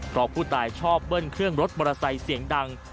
เพราะผู้ตายชอบเบิ้ลเครื่องรถมอเตอร์ไซค์เสียงดัง